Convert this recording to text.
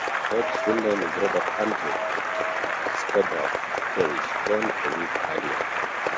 Bob's full name is Robert Andrew Scarborough Ferris, born a week earlier.